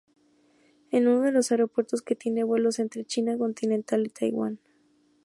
Es uno de los aeropuertos que tiene vuelos entre China continental y Taiwán.